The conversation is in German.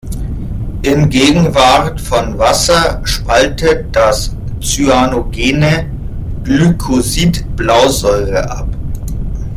In Gegenwart von Wasser spaltet das cyanogene Glycosid Blausäure ab.